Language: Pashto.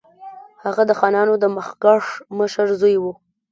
هغه د خانانو د مخکښ مشر زوی وو.